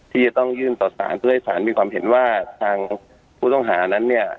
ที่จะต้องยื่นต่อสารเพื่อให้สารมีความเห็นว่าทางผู้ต้องหานั้นเนี่ย